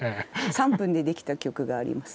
３分でできた曲があります。